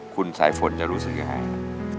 คุณสายฝนจะรู้สึกยังไงครับ